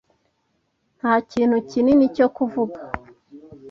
Nta kintu kinini cyo kuvuga.